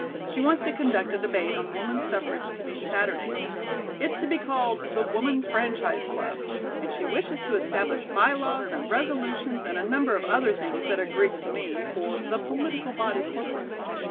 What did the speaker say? She wants to conduct a debate on Woman's Suffrage to meet Saturdays. It's to be called 'The Woman's Franchise Club,' and she wishes to establish by laws and resolutions and a number of other things that are Greek to me, for 'the political body corporate.'